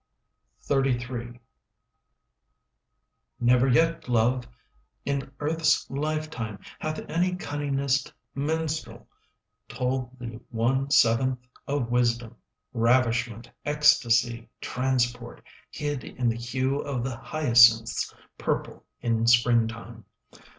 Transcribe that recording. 30 XXXIII Never yet, love, in earth's lifetime, Hath any cunningest minstrel Told the one seventh of wisdom, Ravishment, ecstasy, transport, Hid in the hue of the hyacinth's 5 Purple in springtime.